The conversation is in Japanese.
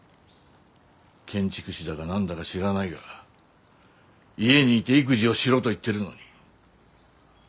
建築士だか何だか知らないが家にいて育児をしろと言ってるのに。